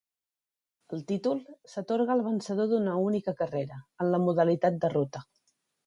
El títol s'atorga al vencedor d'una única carrera, en la modalitat de ruta.